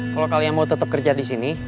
kalau kalian mau tetap kerja disini